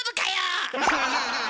アハハハハ！